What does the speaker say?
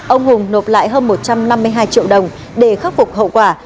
ông hùng nộp lại hơn một trăm năm mươi hai triệu đồng để khắc phục hậu quả